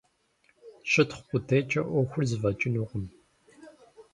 Щытхъу къудейкӀэ Ӏуэхур зэфӀэкӀынукъым.